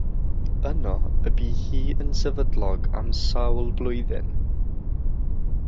Yno y bu hi yn sefydlog am sawl blwyddyn.